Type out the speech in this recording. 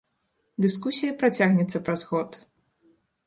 Дыскусія працягнецца праз год.